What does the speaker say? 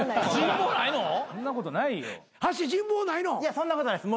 そんなことないです